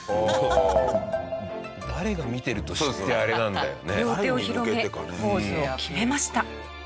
誰が見てると知ってあれなんだよね。